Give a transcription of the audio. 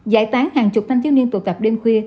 giải tán hàng chục thanh thiếu niên tụ tập đêm khuya